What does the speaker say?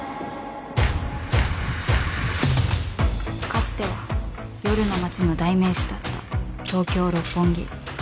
かつては「夜の街」の代名詞だった東京六本木